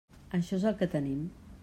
Això és el que tenim.